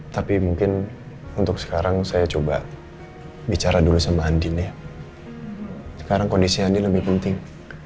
tapi mungkin untuk sekarang saya coba bicara dulu sama andi nih sekarang kondisinya lebih penting